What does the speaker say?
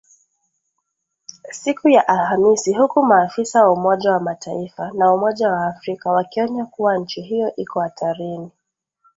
Siku ya Alhamisi huku maafisa wa Umoja wa Mataifa na Umoja wa Afrika wakionya kuwa nchi hiyo iko hatarini